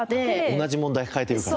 同じ問題抱えてるから。